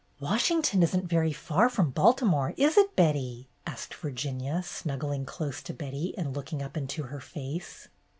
"Washington isn't very far from Balti more, is it, Betty?" asked Virginia, snuggling close to Betty and looking up into her face.